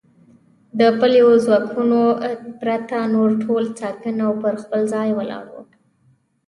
د پلیو ځواکونو پرته نور ټول ساکن او پر خپل ځای ولاړ و.